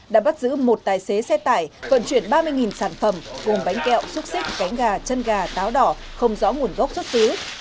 đã bắt giữ một tài xế xe tải vận chuyển ba mươi sản phẩm cùng bánh kẹo xúc xích cánh gà chân gà táo đỏ không rõ nguồn gốc xuất xứ